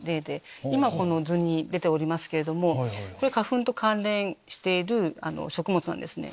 今この図に出ておりますけれどもこれ花粉と関連している食物なんですね。